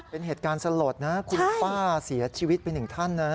เป็นเหตุการณ์สลดนะคุณป้าเสียชีวิตไปหนึ่งท่านนะ